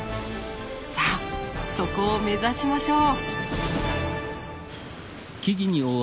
さあそこを目指しましょう。